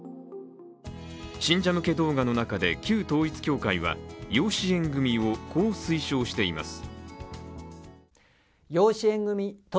信者向け動画の中で旧統一教会は養子縁組をこう推奨しています。